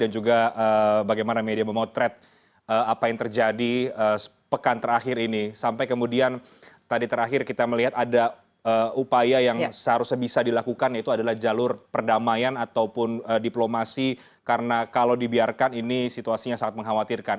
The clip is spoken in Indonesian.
jalur perdamaian itu adalah jalur perdamaian ataupun diplomasi karena kalau dibiarkan ini situasinya sangat mengkhawatirkan